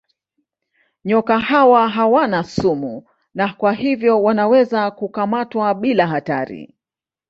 Nyoka hawa hawana sumu na kwa hivyo wanaweza kukamatwa bila hatari.